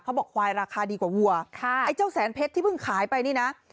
บอกควายราคาดีกว่าวัวค่ะไอ้เจ้าแสนเพชรที่เพิ่งขายไปนี่นะ